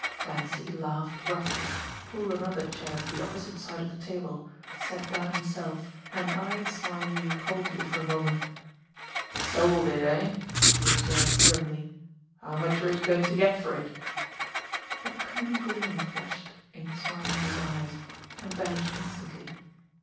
Clancy laughed gruffly, pulled another chair to the opposite side of the table, sat down himself, and eyed Smarlinghue coldly for a moment. "Sold it, eh?" he observed grimly. "How much were you going to get for it?" A cunning gleam flashed in Smarlinghue's eyes and vanished instantly.